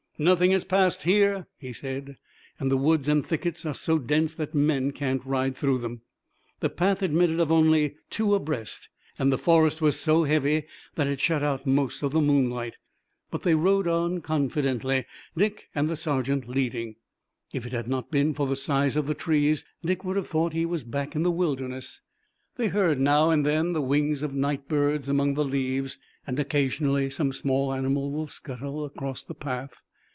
"Nothing has passed here," he said, "and the woods and thickets are so dense that men can't ride through 'em." The path admitted of only two abreast, and the forest was so heavy that it shut out most of the moonlight. But they rode on confidently, Dick and the sergeant leading. If it had not been for the size of the trees, Dick would have thought that he was back in the Wilderness. They heard now and then the wings of night birds among the leaves, and occasionally some small animal would scuttle across the path.